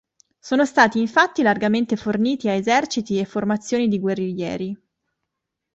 Sono stati infatti largamente forniti a eserciti e formazioni di guerriglieri.